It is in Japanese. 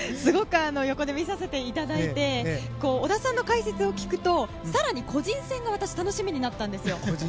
横で見させていただいて織田さんの解説を聞くと更に個人戦が私、楽しみになったんですよ。